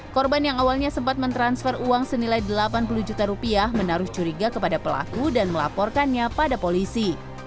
korban yang awalnya sempat mentransfer uang senilai delapan puluh juta rupiah menaruh curiga kepada pelaku dan melaporkannya pada polisi